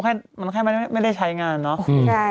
บางอย่างก็ไม่ได้ใช้งานเนอะ